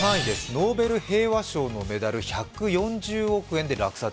ノーベル平和賞のメダル１４０億円で落札。